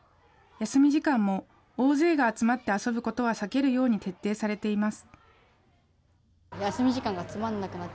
休み時間も、大勢が集まって遊ぶことは避けるように徹底されています。